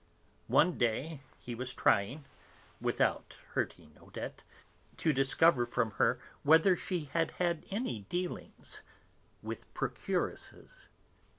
One day, he was trying without hurting Odette to discover from her whether she had ever had any dealings with procuresses.